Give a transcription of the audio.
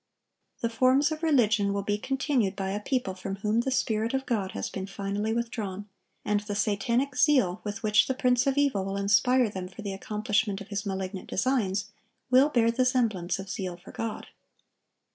The forms of religion will be continued by a people from whom the Spirit of God has been finally withdrawn; and the satanic zeal with which the prince of evil will inspire them for the accomplishment of his malignant designs, will bear the semblance of zeal for God.